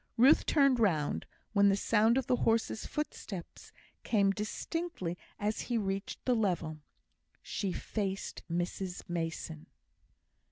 Ruth turned round, when the sound of the horse's footsteps came distinctly as he reached the level. She faced Mrs Mason!